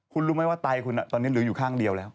คุณรู้ไหมว่าไตคุณตอนนี้เหลืออยู่ข้างเดียวแล้ว